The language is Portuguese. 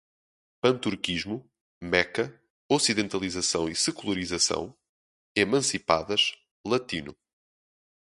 Pan-turquismo, Meca, ocidentalização e secularização, emancipadas, latino